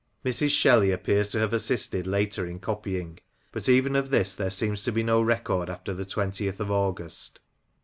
Mrs. Shelley appears to have assisted later in copying; but even of this there seems to be no record after the 20th of August.